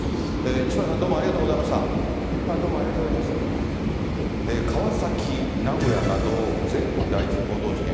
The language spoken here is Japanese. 西村さん、どうもありがとうございまし川崎、名古屋など、全国で相次ぐ強盗事件。